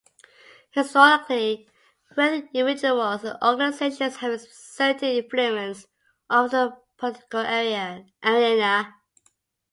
Historically, wealthy individuals and organizations have exerted influence over the political arena.